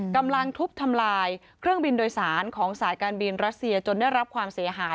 กำลังทุบทำลายเครื่องบินโดยสารของสายการบินรัสเซียจนได้รับความเสียหาย